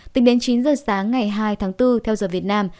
tính đến chín giờ sáng ngày hai tháng bốn theo giờ việt nam